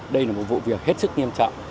đây là một vụ việc hết sức nghiêm trọng